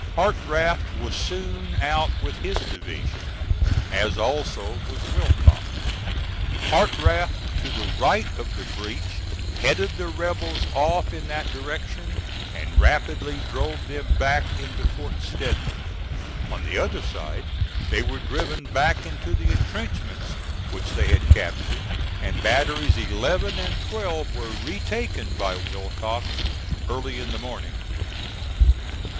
Hartranft was soon out with his division, as also was Willcox. Hartranft to the right of the breach headed the rebels off in that direction and rapidly drove them back into Fort Stedman. On the other side they were driven back into the intrenchments which they had captured, and batteries eleven and twelve were retaken by Willcox early in the morning.